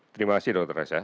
terima kasih dr raja